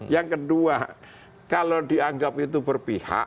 yang kedua kalau dianggap itu berpihak